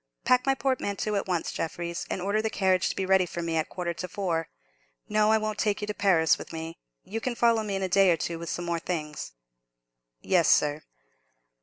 Pack my portmanteau at once, Jeffreys, and order the carriage to be ready for me at a quarter to four. No, I won't take you to Paris with me. You can follow me in a day or two with some more things." "Yes, sir."